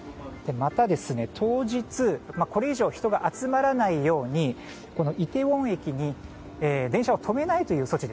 また、当日これ以上人が集まらないようにイテウォン駅に電車を止めないという措置